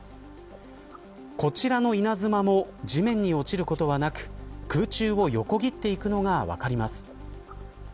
こちらの稲妻も地面に落ちることはなく空中を横切っていくのが分かります。